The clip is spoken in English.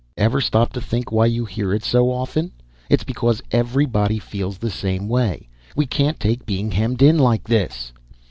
"Ever stop to think why you hear it so often? It's because everybody feels the same way we can't take being hemmed in like this."